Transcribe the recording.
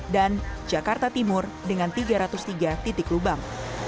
dan jakarta timur dengan tiga ratus tiga titik lubang